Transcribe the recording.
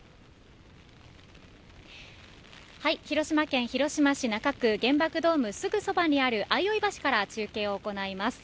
広島県広島市中区原爆ドーム、すぐそばにある相生橋から中継を行います。